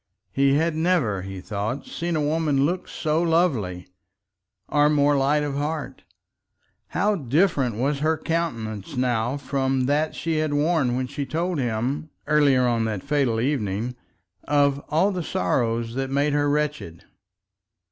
He had never, he thought, seen a woman look so lovely, or more light of heart. How different was her countenance now from that she had worn when she told him, earlier on that fatal evening, of all the sorrows that made her wretched!